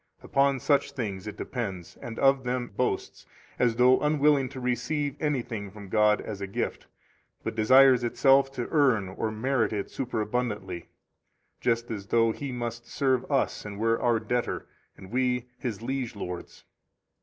Upon such things it depends, and of them boasts, as though unwilling to receive anything from God as a gift, but desires itself to earn or merit it superabundantly, just as though He must serve us and were our debtor, and we His liege lords.